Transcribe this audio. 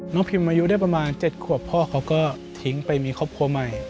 พิมอายุได้ประมาณ๗ขวบพ่อเขาก็ทิ้งไปมีครอบครัวใหม่